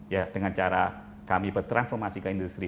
ya dengan cara kami bertransformasi ke industri